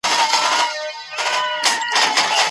که شعور وي، نو د هېواد راتلونکی به ډېر روښانه وي.